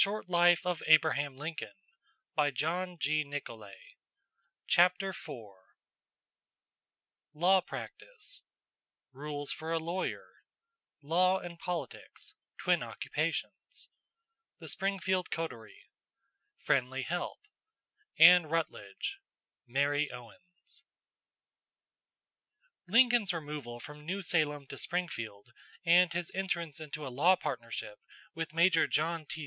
But being in a minority, they could not, of course, elect him. IV Law Practice Rules for a Lawyer Law and Politics: Twin Occupations The Springfield Coterie Friendly Help Anne Rutledge Mary Owens Lincoln's removal from New Salem to Springfield and his entrance into a law partnership with Major John T.